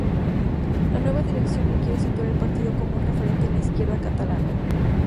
La nueva dirección quiere situar al partido como un referente en la izquierda catalana.